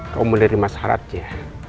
kamu menerima syaratnya